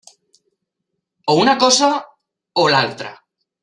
O una cosa o l'altra.